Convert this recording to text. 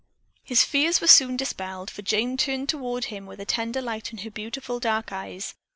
His fears were soon dispelled, for Jane turned toward him with a tender light in her beautiful dark eyes.